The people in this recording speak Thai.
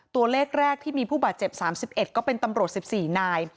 ตัวเลขแรกที่มีผู้บาดเจ็บ๓๑ก็เป็นตำรวจ๑๔นาย